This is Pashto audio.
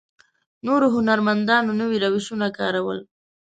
نورو هنرمندانو نوي روشونه کارول.